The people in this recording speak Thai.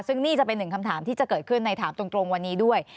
ซึ่งนี่จะเป็นหนึ่งคำถามที่จะเกิดขึ้นในถามตรงวันนี้ด้วย